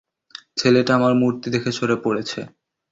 ছেলেটা আমার মূর্তি দেখে সরে পড়েছে।